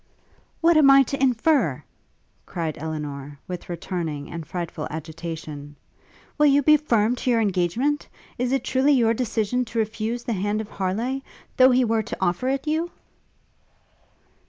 'What am I to infer?' cried Elinor, with returning and frightful agitation; 'Will you be firm to your engagement? Is it truly your decision to refuse the hand of Harleigh, though he were to offer it you?'